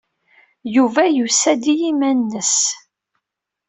Yuba yusa-d i yiman-nnes.